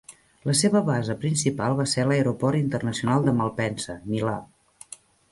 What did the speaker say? La seva base principal va ser l'aeroport internacional de Malpensa, Milà.